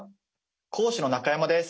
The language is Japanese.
講師の中山です。